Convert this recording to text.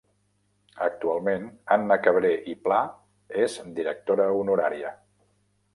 Actualment Anna Cabré i Pla és Directora Honorària.